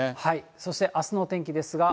そして、あすのお天気ですが。